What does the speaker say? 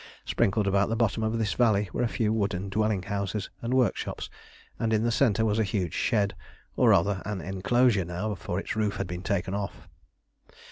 Sprinkled about the bottom of this valley were a few wooden dwelling houses and workshops, and in the centre was a huge shed, or rather an enclosure now, for its roof had been taken off.